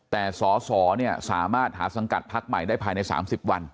แต่สอสอสามารถหาสังกัดพักใหม่ได้ภายใน๓๐วัน